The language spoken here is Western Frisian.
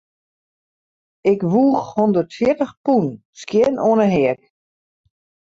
Ik woech hûndertfjirtich pûn skjin oan 'e heak.